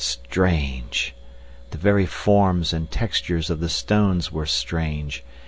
Strange! the very forms and texture of the stones were strange.